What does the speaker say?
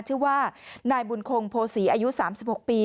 ชื่อว่านายบุญคงโพศีอายุ๓๖ปี